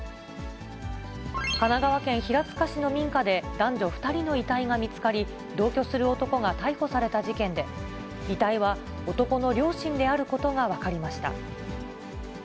神奈川県平塚市の民家で男女２人の遺体が見つかり、同居する男が逮捕された事件で、遺体は男の両親であることが分かりました。